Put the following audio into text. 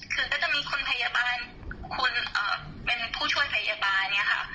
คือก็จะมีคุณพยาบาลคนเป็นผู้ช่วยพยาบาลเนี่ยค่ะ